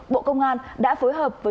bộ công an đã phối hợp với